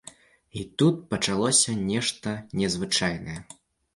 І тут пачалося нешта незвычайнае.